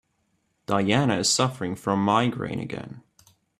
Diana is suffering from migraine again.